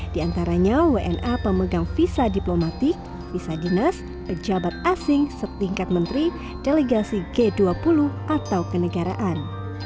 di antaranya wna pemegang visa diplomatik visa dinas pejabat asing setingkat menteri delegasi g dua puluh atau kenegaraan